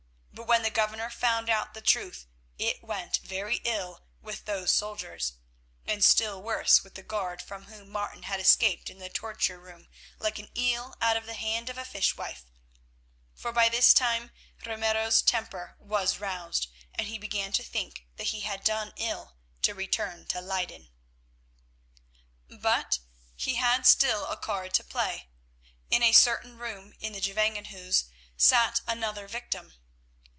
But when the Governor found out the truth it went very ill with those soldiers, and still worse with the guard from whom Martin had escaped in the torture room like an eel out of the hand of a fish wife. For by this time Ramiro's temper was roused, and he began to think that he had done ill to return to Leyden. But he had still a card to play. In a certain room in the Gevangenhuis sat another victim.